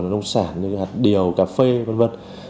nông sản như hạt điều cà phê v v